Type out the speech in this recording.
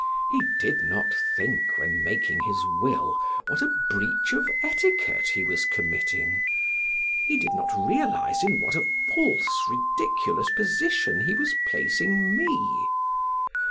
He did not think when making his will what a breach of etiquette he was committing. He did not realize in what a false, ridiculous position he was placing me.